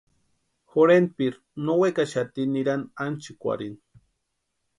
Jorhentpiri no wekaxati nirani ánchikwarhini.